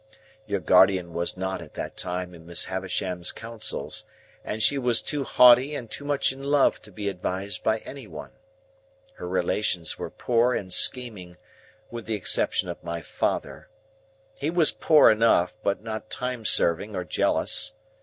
Your guardian was not at that time in Miss Havisham's counsels, and she was too haughty and too much in love to be advised by any one. Her relations were poor and scheming, with the exception of my father; he was poor enough, but not time serving or jealous.